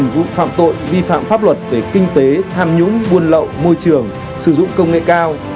một mươi vụ phạm tội vi phạm pháp luật về kinh tế tham nhũng buôn lậu môi trường sử dụng công nghệ cao